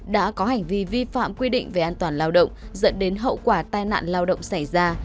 đã có hành vi vi phạm quy định về an toàn lao động dẫn đến hậu quả tai nạn lao động xảy ra